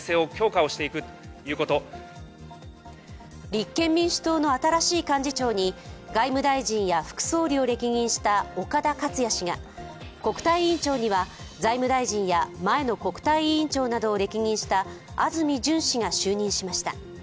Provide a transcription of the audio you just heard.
立憲民主党の新しい幹事長に外務大臣や副総理を歴任した岡田克也氏が国対委員長には財務大臣や前の国対委員長などを歴任した安住淳氏が就任しました。